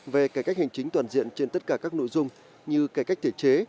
về cải cách hành chính toàn diện trên tất cả các nội dung như cải cách thể chế